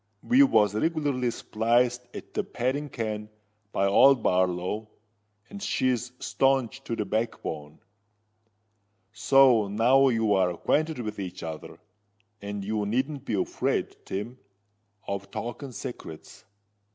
We was regularly spliced at the padding ken by old Barlow; and she's staunch to the backbone. So now you're acquainted with each other; and you needn't be afraid, Tim, of talking secrets.